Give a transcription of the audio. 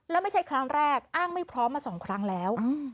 แล้วไม่ใช่ครั้งแรกอ้างไม่พร้อมมา๒ครั้งแล้ว